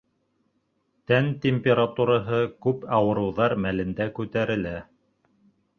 Тән температураһы күп ауырыуҙар мәлендә күтәрелә.